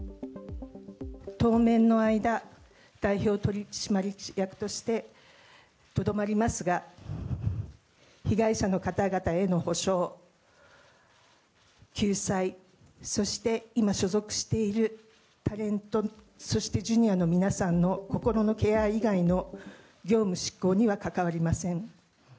当面の間、代表取締役としてとどまりますが、被害者の方々への補償、救済、そして今所属しているタレント、そしてジュニアの皆さんの心のケア以外の業務執行には関わりませ